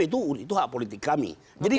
itu hak politik kami jadi